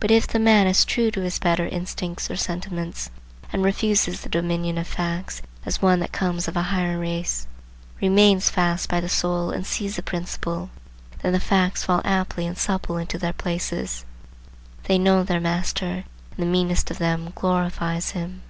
But if the man is true to his better instincts or sentiments, and refuses the dominion of facts, as one that comes of a higher race; remains fast by the soul and sees the principle, then the facts fall aptly and supple into their places; they know their master, and the meanest of them glorifies him.